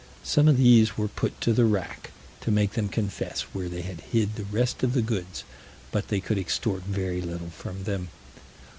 Some of these were put to the rack, to make them confess where they had hid the rest of the goods; but they could extort very little from them.